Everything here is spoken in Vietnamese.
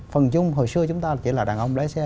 phần chung hồi xưa chúng ta chỉ là đàn ông lái xe